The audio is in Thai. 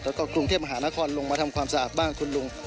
แล้วก็กรุงเทพมหานครลงมาทำความสะอาดบ้านคุณลุง